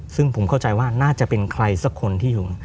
ซึ่งผมเข้าใจว่าน่าจะเป็นใครสักคนที่อยู่